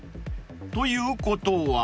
［ということは？］